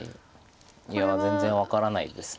いや全然分からないです